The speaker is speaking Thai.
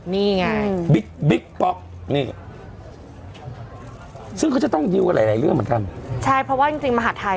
นี่ไงนี่ซึ่งเขาจะต้องยูกกับหลายหลายเรื่องเหมือนกันใช่เพราะว่าจริงจริงมหาทไทย